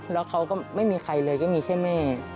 แล้วเขาก็ไม่มีใครเลยก็มีแค่แม่